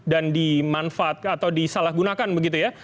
dan dimanfaatkan atau disalahgunakan begitu ya